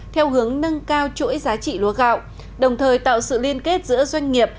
theo hướng nâng cao chuỗi giá trị lúa gạo đồng thời tạo sự liên kết giữa doanh nghiệp